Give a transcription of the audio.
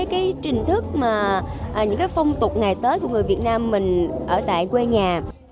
cái trình thức những cái phong tục ngày tết của người việt nam mình ở tại quê nhà